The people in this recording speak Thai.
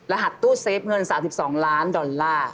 หัสตู้เซฟเงิน๓๒ล้านดอลลาร์